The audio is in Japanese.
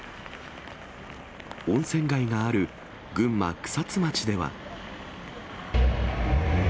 温泉街がある群馬・草津町では。